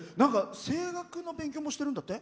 声楽の勉強もしてるんだって？